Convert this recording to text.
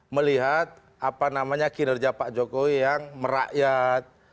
melihat apa namanya kinerja pak jokowi yang merakyat